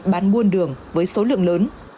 bán muôn đường với số lượng lớn